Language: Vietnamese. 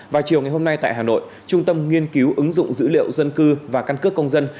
vào chiều ngày hôm nay tại hà nội trung tâm nghiên cứu ứng dụng dữ liệu dân cư và căn cước công dân